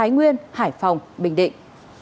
nguyên hải phòng bình định